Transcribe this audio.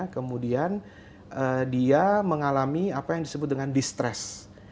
kemudian dia mengalami apa yang disebut dengan distress